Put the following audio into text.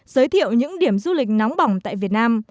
giới thiệu những điểm du lịch nóng bỏng tại việt nam